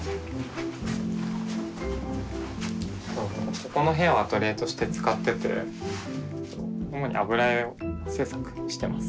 ここの部屋をアトリエとして使ってて主に油絵を制作してます。